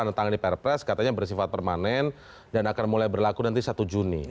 ketika ditangani prpres katanya bersifat permanen dan akan mulai berlaku nanti satu juni